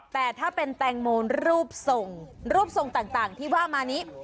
แต่ถ้าเป็นแตงโมรูปส่งรูปทรงต่างที่ว่ามานี้